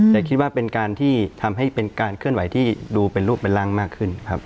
แต่คิดว่าเป็นการที่ทำให้เป็นการเคลื่อนไหวที่ดูเป็นรูปเป็นร่างมากขึ้นครับ